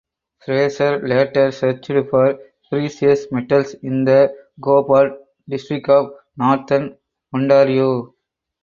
Fraser later searched for precious metals in the Cobalt District of Northern Ontario.